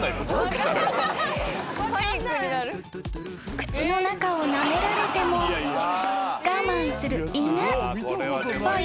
［口の中をなめられても我慢する犬］